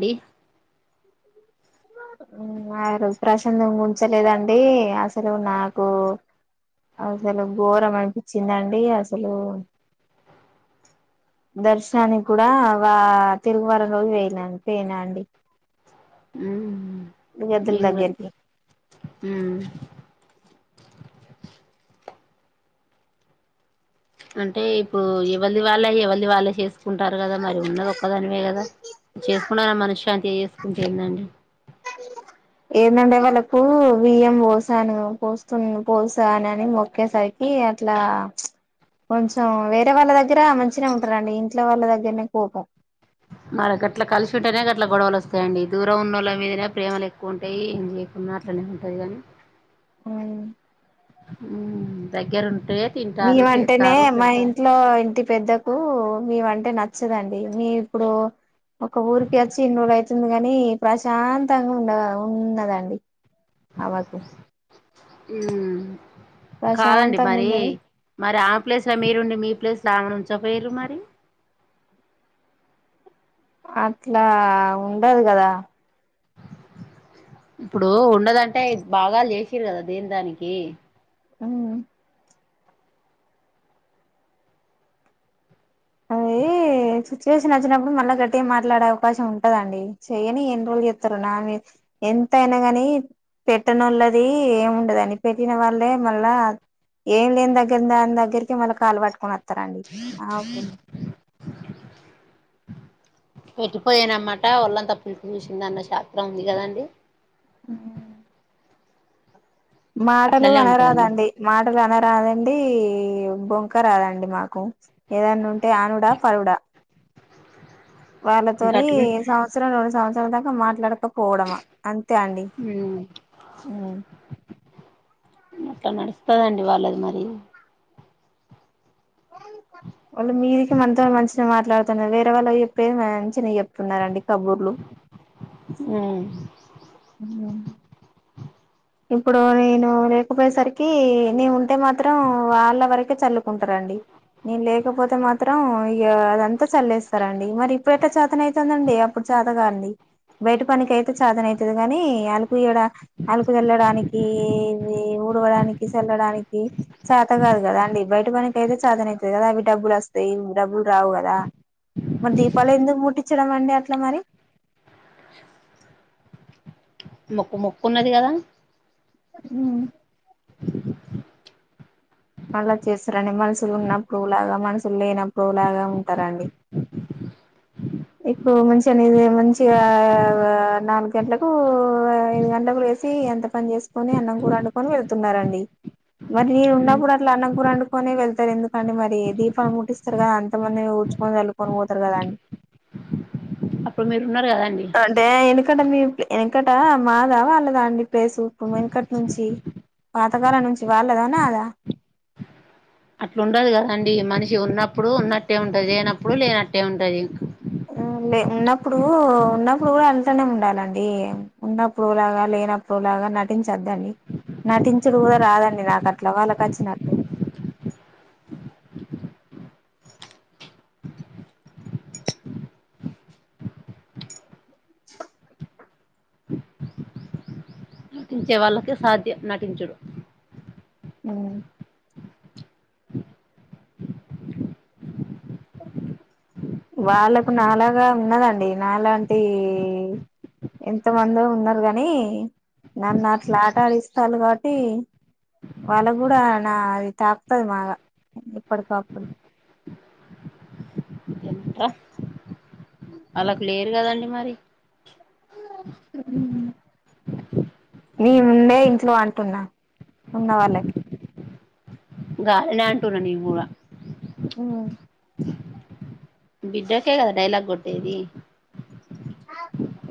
D ఉ ఆ రో ప్రసంతంగ ఉంచలేదండి అసలు నాకు అసలు ఘోరం అనిపించిందండి అసలు దర్శనానికి కూడా వా తిరుగువర రోజు ఒయిన అంతేనండి మేమ్ గూడ దగ్గరికి అత్తే ఊ అంటే ఇప్పుడు ఎవరిది వాళ్ళే ఎవరిది వాళ్ళే చేసుకుంటారు కదా మరి ఉన్నది. ఒక్కదానివే కదా చేసుకుంటే మనసు శాంతి చేసుకుంటే ఎందిఅండి. ఏంటంటే వాళ్ళలకు బియ్యం పోసాను పోస్తు పోసా అన అని మొక్కేసరికి అట్లా కొంచెం వేరే వాళ్ళ దగ్గర మంచినే ఉంటారండి. ఇంట్లో వాళ్ళ దగ్గరనే కోపం. మన గట్లా కలిసి ఉంటేనే గట్ల గొడవలు వస్తాయండి. దూరం ఉన్నోళ్ల మీదనే ప్రేమలు ఎక్కువ ఉంటాయి. ఏం చేయకుండా అట్లనే ఉంటది గాని. ఉమ్మ్. ఉమ్ దగ్గర ఉన్న నీమ అంటేనే మా ఇంట్లో ఇంటి పెద్దకు. మేమంటే నచ్చదండి మీకు. ఒకఊరికి వచ్చి ఇన్ని రోజులైతుంది. వస్తుంది కాని ప్రశాంతంగా ఉన్న ఉన్నదండి అవకు. ఉమ్. కాదండి ప్రశాంతంగా మరి ఉన్నది మరి ఆహ్. ప్లేస్ లో మీరుండి మీ ప్లేస్ లో ఆమెను ఉంచకపోయింరు మరి. అట్లా ఉండదు కదా. ఇప్పుడు ఉండదంటే బాగాలు చేసింరు కదా దేని దానికి. ఉమ్. అది సిచ్యువేషన్ వచ్చినప్పుడు మళ్ళ గట్టిగా మాట్లాడే అవకాశం ఉంటదండి. చెయ్యని ఎన్ని రోజులు చేస్తారు. నా మీద ఎంత అయినా గాని పెట్టనోళ్ళది ఏం ఉండద అండి. పెట్టిన వాళ్ళే మళ్ళా ఏం లేని దగ్గర దాని దగ్గరికి మళ్ళీ కాలు పట్టుకొని వస్తారు. వస్తారండి ఆహ్ ఒక. పెట్టిపోయానమాట ఓళ్ళంత పులుపు చూసింది అన్న శాస్త్రం ఉంది కదండి. హుమ్మ్. మాటలు అట్లనే ఉంటదండి అనరాదండి మాటలు అన రాదండి బొంక రాదండి మాకు. ఏదన్నా ఉంటే అనుడా పడుడా. ఇంకా వాళ్ళతోని అట్ల సంవత్సరం రెండు సంవత్సర దాంతో మాట్లాడను పో. పోవడమా అంతే అండి మ్ ఉమ్. అట్లా నడుస్తదండి వాళ్ళది మరి. వాళ్ళు మీదికి మనతో మంచిగా మాట్లాడుతున్నారు. వేరే వాళ్ళు చెప్పేది మంచిన చెప్తున్నారండి కబుర్లు. ఉమ్ ఉమ్ ఇప్పుడు నేను లేకపోయేసరికి ఎన్ని ఉంటే మాత్రం వాళ్ళ వరకే చల్లుకుంటార అండి. నేను లేకపోతే మాత్రం అంతట చల్లేస్తారండి. మరి ఇప్పుడెట్లా చాతన అవుయితుందాండి. అప్పుడు చాతగాంది బయట పనికి అయితే చాతన అవుతుంది కాని అలుకు ఇడ అలు వెళ్ళడానికి ఇవి ఊడవడానికి చల్లడానికి చేత కాదు కదా అండి. బయట పనికి అయితే చేతన అవుతుంది కదా అవి డబ్బులు వస్తాయి ఇవి డబ్బులు రావు కదా. మరి దీపాలు ఎందుకు ముట్టించడం అండి అట్లా మరి. మొక్కు మొక్కు ఉన్నది కదా. ఉమ్ అలా చేస్తారండి మనుషులు ఉన్నప్పుడు ఓ లాగా మనుషులు లేనప్పుడు ఓ లాగా ఉంటారండి. ఇప్పుడు మంచిగానేది మంచిగా నాలుగు గంటలకు ఐదు గంటలకు లేసి అంత పని చేసుకొని అన్నం కూర వండుకొని వెళ్తున్నారండి మరి నేను మ్ ఉన్నప్పుడు ఇట్లా అన్నం కూర వండుకొని వెళ్తారు. ఎందుకండి మరి దీపాం ముట్టిస్తారు. కదా అంత మంది ఊడ్చుకుని చల్లుకొని పోతారు కదండి. అప్పుడు మీరు. ఉన్నారు కదాండి. ఇంక మీ వెనకట మాదా వాళ్ళదా అండి ప్లేసు వెనుకటి నుంచి పాతకాలం నుంచి వాళ్ళదా నాదా. అట్లా ఉండదు కదండి మనిషి ఉన్నప్పుడు ఉన్నట్టే ఉంటది లేనప్పుడు లేనట్టే ఉంటది. ఉ లే ఉన్నప్పుడు ఉన్నప్పుడు కూడా అట్లనే ఉండాలండి ఉన్నప్పుడు ఓగలాగా లేనప్పుడు ఓగలాగా నటించద్దండి. నటించుడు కూడా రాదండి నాకు అట్ల వాళ్ళకచ్చినట్టు. నటించే వాళ్ళకే సాధ్యం నటించుడు. అ వాళ్ళకు నాలాగా ఉన్నదండి నాలాంటి ఎంత మంది ఉన్నారు కానీ నన్నుట్లా ఆట ఆడిస్తారు కాబట్టి వాళ్ళకు కూడా నా అది తాకుతది బాగా ఎప్పటికప్పుడు రా అల్లాకు లేరు కదండి. మరి నీ ముందే ఇంట్లో అంటున్నా ఉన్న వాళ్ళకి గాల్లనే అంటున్న నేనుకూడా ఆ బిడ్డ కే కదా డైలాగ్ గొట్టేది.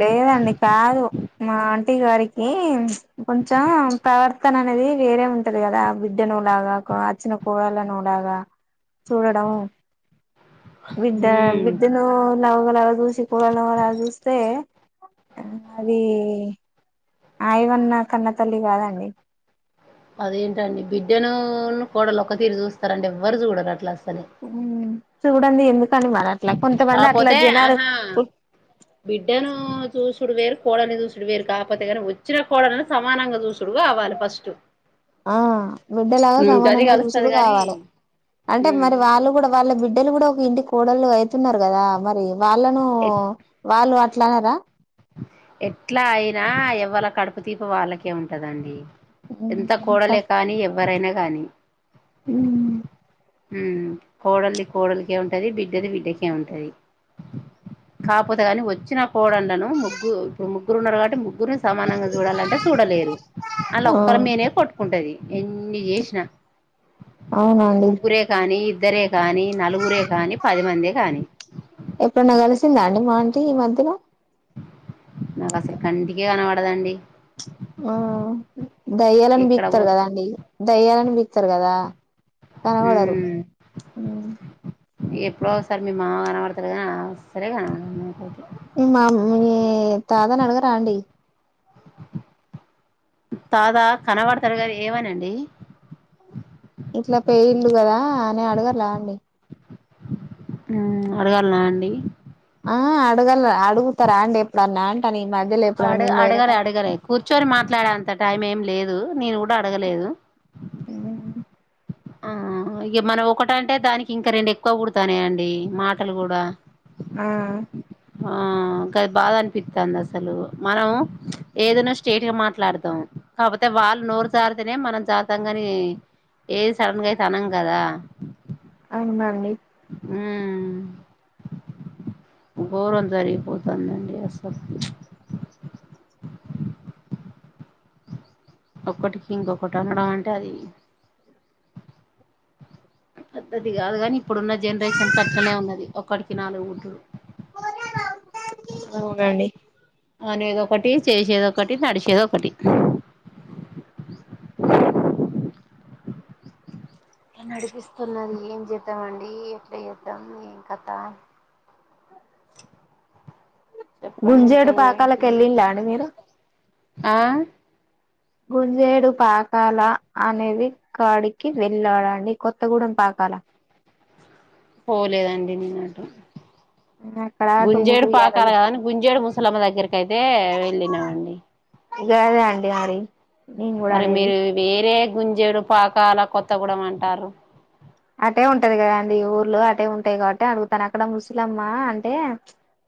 లేదండి కాదు మా ఆంటీ గారికి కొంచెం ప్రవర్తన అనేది వేరే ఉంటది కదా బిడ్డనోలాగా క వచ్చిన కోడళ్లనోలాగా చూడడం బిడ్డ మ్ బిడ్డ ను ఒగలగా చూసి కోడల్ని ఒగలగా చూస్తే అది ఆయవన్న కన్న తల్లి కాదండి. అదేంటండి బిడ్డను కోడల్ని ఒక తీరు చూస్తారండి ఎవ్వరు చూడరు అట్లా అస్ ఊ చూడండి ఎందుకని మర కాపోతే ఆహా బిడ్డను చూసుడు వేరు కోడల్ని చూసుడు వేరు కాకపోతే కానీ వచ్చిన కోడల్ని సమానంగా చూసుడుగావాలి ఫస్ట్ ఆ బిడ్డలాగా గది సమానంగా కలుస్తది చూశుడు గాని కావాలి అంటే మరి వాళ్ళు కూడా వాళ్ళ బిడ్డ బిడ్డలు కూడా ఒక ఇంటి కోడల్లు అయితున్నారు కదా మరి వాళ్ళను వాళ్ళు అట్ల అనర ఎట్లా అయినా ఎవ్వల కడుపు తీపు వాళ్ళకే ఉంటదండి. ఎంత కోడలే కానీ ఎవ్వరైనా కానీ ఊ ఊ కోడల్ది కోడలికే ఉంటది బిడ్డది బిడ్డకే ఉంటది కాకపోతే కాని వచ్చిన కోడండ్లను ముగ్గురు ఇప్పుడు ముగ్గురు ఉన్నారు కాబట్టి ముగ్గురుని సమానంగా చూడాలంటే చూడలేరు వాళ్ళ ఆ ఒక్కరి మీనే కొట్టుకుంటది. ఎన్ని చేసిన ముగ్గురే కానీ ఇద్ ఇద్దరే కానీ నలుగురే కానీ పది మందే కానీ ఎప్పుడన్న కలిసిందా అండి మాఆంటీ ఈ మధ్యలో నాకు అసలు కంటికే కనపడదండి. ఆ దయ్యాలని ఎక్కడ పో బీకుతారు కదండి. దయ్యాలని పిక్తారు కదా కనపడరు. ఉమ్ ఎప్పుడో ఒకసారి మీ మామ కనబడతడు కానీ ఆమె అస్సలే కనబడదు మా తాదానే అడుగా రాండడి తాత కనవాడతారుగారు ఏమనండి ఇట్లా పెే ఇల్ళలు కదా అని అడగర్లా అండి అడగాలలాఅండి ఆ అడగలరా అడుగుతారా అండి ఎప్పుడున్నా అంట అని అడ అడగర అడగలి కూర్చొని మాట్లాడేంత టైం ఏం లేదు నేను కూడా అడగలేదు ఆ ఇక మనం ఒకట అంటే దానికి ఇంకా రెండు ఎక్కువ కుడతానే అండి మాటలు కూడా ఆ ఆకాది బాధ అనిపిస్తుంది అసలు మనం ఏదైనాో స్టేట్గా మాట్లాడతాం కాకపోతే వాళ్ళు నోరు జాారితేనే మనం జారాతం కాని ఏది సడన్గా అయి తనం కదా అవునాన్ని ఘోరవం జరిగిపోతుందండి అసలు ఒకటికి ఇంకొకటి ఉండడం అంటే అది పద్దతి కాదు కాని ఇప్పుడున్న జనరేషన్ కాట్లనే ఉన్నది ఒకటికి నాలుగు పుట్టుడు అవునండి అనేది ఒకటి చేసేది ఒకటి నడిచేది ఒకటి ఏ అడిగి తున్నది ఏం చేద్దామండి అ ఎట్లా ఎద్దాం ఏం కథ చెప్పండి ఇంకా గుంజేడు పాకాలకు ఏంటి వెళ్ళిలా అండి మీరు ఆ గుంజేడు పాకాల అనేది కాడికి వెళ్ళాడంండి కొత్తగూడెం పాకాల పోలేదాండీ నేను అటు అక్కడ గుంజేడు పాకాల టుంగుటూయాలలో కాదని గుంజేడు ముసలమ్మ దగ్గరక అయితే వెళ్ళినామండి గద అండి ఆడి అరే మీరు వేరే గుంజేడు పాకాల కొత్తగూడ అంటారు అటే ఉంటది కదండి ఊర్లో అటే ఉంటాయి కాబట్టి అడుగుతాను అక్కడ ముసలమ్మ అంటే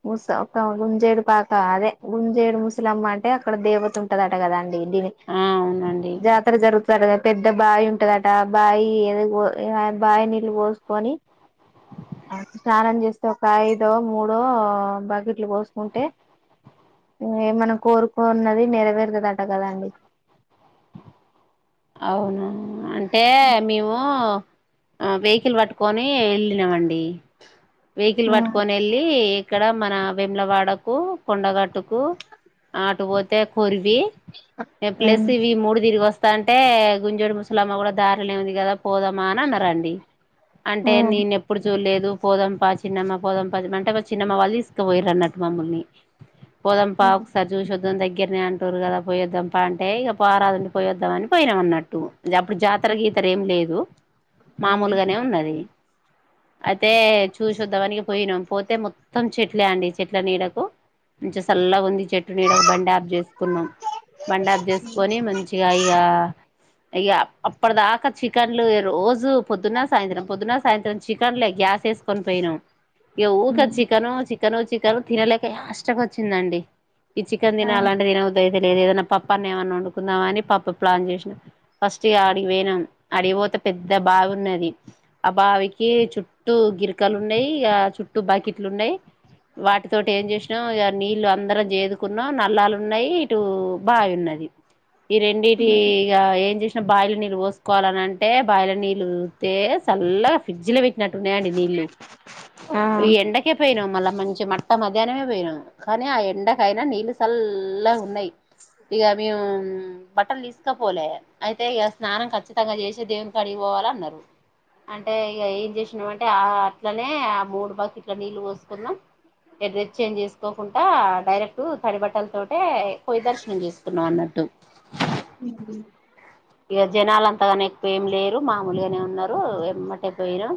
ముస ఒక గుంజేడు పాక అదే గుంజేడు ముసలమ్మ అంటే అక్కడ దేవత ఉంటదట కదండి ఆ అవునండి జాతర జరుగుతు పెద్ద బావి ఉంటదట ఆ బావి ఏదో బాయి నీళ్ళు పోసుకొని స్నానం చేస్తే ఒక ఐదో మూడో బకెట్లు పోసుకుంటే ఏమన కోరుకోన్నది నెరవేరుతుదట కదాండి అవునా అంటే హే మేము ఆ వెహికల్ పట్టుకొని వెళ్ళినామండి వెహికల్ పట్టుకొని వెళ్ళి ఇక్కడ మన వేములవాడకు కొండగట్టుకు ఆటు పోతే కొరివి ఏ ఆ ప్లేస్ ఇవి మూడు తిరిగి వస్తా ప్యాంట్ అంటే గుంజూడు ముసలమ్మ కూడా దారిలే ఉంది కదా పోదామా అని అన్నరండి అంటే నేనెప్పుడు చూడలేదు పోదంపా చిన్నమ్మా పోదంప అంటే మా చిన్నమ్మా వాళ్ళు తీసుక పోయిర్రు అన్నట్టు మమ్ముల్ని పోదం పా ఒకసారి చూసి వొద్దమ్ దగ్గరనే అంటుర్రు కదా పోయొద్దం ప అంటె ఇక పా రాదుల్లి పోయొద్దాం అని పోయినం అన్నట్టు అప్పుడు జాతర గీతర ఏం లేదు మామూలుగనే ఉన్నది అగ్గ్ తే చూశొద్దాం అనిగ పోయినాం పోతే మొ మొత్తం చెట్లే అండి చెట్ల నీడకు మంచిగ సల్లగుంది చెట్టు నీడకు బండి ఆఫ్ చేసుకున్నాం బండి ఆఫ్ చేసుకొని మంచిగా ఇగా ఇగ అప్పటి దాకా చికెన్లు రోజు పొద్దున సాయంత్రం పొద్దున సాయంత్రం చికన్లే గ్యాస్ వేసుకొని పోయినాం ఇగ ఊక చికను చి కెను చికెను తినలేక యాష్టకు వచ్చిందండి ఈ చికెన్ ఆ దినాలంటె దినబుద్ది అయి తలేదు ఏదైనా పప్పు అన్న ఏమన్నా వండుకుందామని పప్పు ప్లాన్ చేసిన ఫస్ట్ ఇగ ఆడికిపోయినాం ఆడికి పోతే పెద్ద బావి ఉన్నది ఆ బావికి చుట్టూ గిరికలు ఉన్నాయి ఇగా చుట్టూ బకెట్లున్నయి వాటితోటి ఏం చేసినం ఇగ నీళ్ళు అందరం చేదుకున్నాం నల్లాలు ఉన్నాయి ఇటు బావి ఉన్నది ఈ రెండిటి ఏం చేసినా బాయిల నీళ్ళు పోసుకోవాలని అంటే బాయిల నీళ్ళు సుత్తే సల్లగా ఫ్రిడ్జ్ లోపెట్టి ట్టున్నాయండి నీళ్ళు ఆ ఈ ఎండకే పోయినం మళ్ళ మంచి మట్ట మథ్ ధ్యానమే పోయినాము కానీ ఆ ఎండకయినా నీళ్ళు సల్లగా ఉన్నాయి ఇగ మేము బట్టలు తీసు కపోలే అయితే ఇగ స్నానం ఖచ్చితంగా చేసే దేవుని కాడికి పోవాలన్నరు అంటే ఇగ ఏం చేసినాం అంటే ఆ అట్లనే ఆ మూడు బకిట్ల నీళ్లు పోసుకున్నాం ఇగ డ్రెస్ చేంజ్ చేసుకోకుంట డైరెక్ట్ తడి బట్టల తోటే పొయి దర్శనం చేసుకున్నాం అన్నట్టు హ్మ్ ఇగ జనాలు అంతగానం ఎక్కువ ఏం లేరు మామూలుగానే ఉన్నారు ఎమ్మటె పోయినం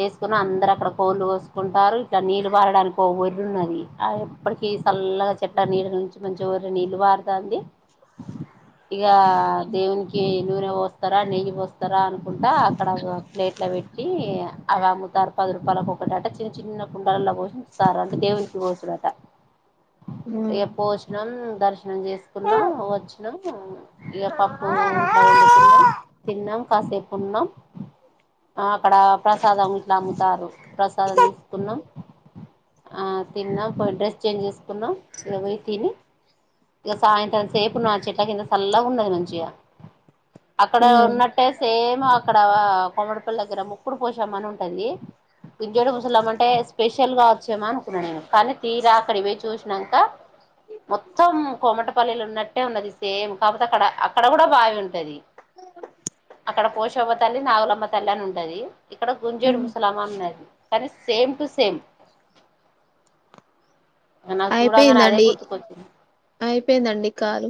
చేసుకున్నం అందరు అక్కడ కోళ్ళు కోసుకుంటారు ఇక్కడ నీళ్ళు పారడానికి ఓ ఒర్రె ఉన్నది అది ఎప్పటికి సల్లగా చెట్టా నీడ నుంచి మంచిగ ఒర్రె నీళ్ళు వారుతాంది ఇగా దేవునికి నూనె పోస్తారా నెయ్యి పోస్తారా అనుకుంటా అక్కడ ప్లేట్ల పెట్టి అది అమ్ముతారు పది రూపాలు ఒక్కో ఒకటి చిన్న చిన్న కుండలల్లో పోసి స్తార్రు అంటె దేవునికి పోసుడ అట ఇగ పోషినాం దర్శనం చేసుకున్నాం వచ్చినాం ఇగ పప్పు లా వండుకున్నాం తిన్నాం కాసేపున్నాం అక్కడ ప్రసాదం గిట్లా అమ్ముతారు ప్రసాదం తీసుకున్నాం ఆ తిన్నాం పోయి డ్రెస్ చేంజ్ చేసుకున్నాం ఇక పోయి తిని ఇగ సాయంత్రం సేపున్నాం చెట్లా కింద సల్లగ ఉన్నది మంచిగా అక్కడే ఉన్నట్టే సేమ్ అక్కడ కొమ్మడి పెల్లి దగ్గర ముక్కుడు పోశమ్మ అని ఉంటది దివ్య రోజులమంటే స్ స్పెషల్ గా వచ్చినమా అనుకున్నా నేను కానీ తీరా అక్కడ పోయి చూసినంక మొత్తం కోమటపల్లిల ఉన్నట్టే ఉన్నది సేమ్ కాకపోతే అక్కడ అక్కడ కూడా బాయి ఉం అక్కడ పోశమ్మ తల్లి నాగులమ్మ తల్లి అని ఉంటది ఇక్కడ గుంజూడు ఆ ముసలామా అది అరే సేమ్ టు సేమ్ నాకు చూడంగానే అదే అయిపోయిందండి గుర్తుకొచ్చింది అయిపోయిందండి కాలు